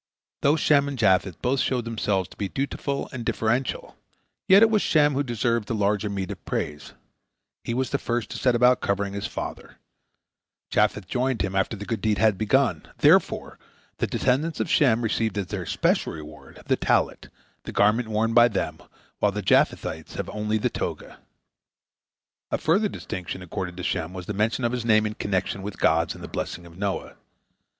Though Shem and Japheth both showed themselves to be dutiful and deferential, yet it was Shem who deserved the larger meed of praise. He was the first to set about covering his father. Japheth joined him after the good deed had been begun. Therefore the descendants of Shem received as their special reward the tallit, the garment worn by them, while the Japhethites have only the toga. A further distinction accorded to Shem was the mention of his name in connection with God's in the blessing of Noah.